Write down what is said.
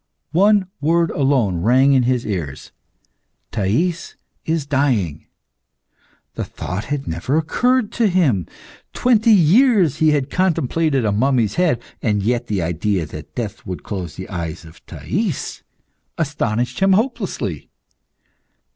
One word alone rang in his ears, "Thais is dying!" The thought had never occurred to him. Twenty years had he contemplated a mummy's head, and yet the idea that death would close the eyes of Thais astonished him hopelessly.